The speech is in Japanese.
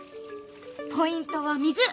ポイントは水。